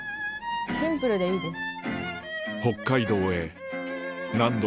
シンプルでいいです。